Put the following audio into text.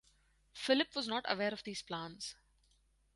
Philip was not aware of these plans.